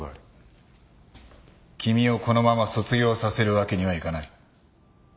君をこのまま卒業させるわけにはいかない。